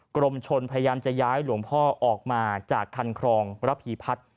กรมชนพยายามจะย้ายหลวงพ่อออกมาจากคันครองระพีพัฒน์